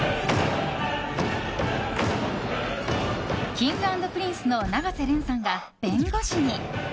Ｋｉｎｇ＆Ｐｒｉｎｃｅの永瀬廉さんが弁護士に。